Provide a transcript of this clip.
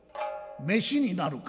飯になるか」。